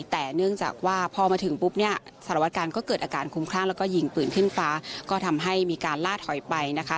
แต่เนื่องจากว่าพอมาถึงปุ๊บเนี่ยสารวัตการก็เกิดอาการคุ้มคลั่งแล้วก็ยิงปืนขึ้นฟ้าก็ทำให้มีการล่าถอยไปนะคะ